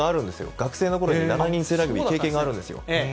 学生のころに７人制ラグビー経験があるんですよ。